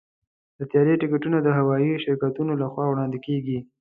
د طیارې ټکټونه د هوايي شرکتونو لخوا وړاندې کېږي.